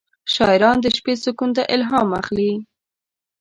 شاعران د شپې سکون ته الهام اخلي.